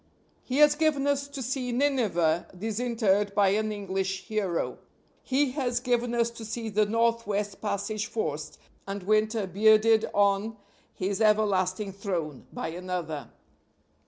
He has given us to see Nineveh disinterred by an English hero. He has given us to see the northwest passage forced, and winter bearded on his everlasting throne, by another.